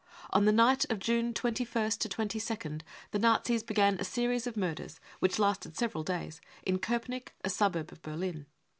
On the night of June 2ist 22nd the Nazis began a series of murders, which lasted several days, in Kopenick, a suburb of Berlin.